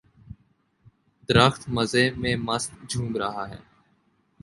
درخت مزے میں مست جھوم رہا ہے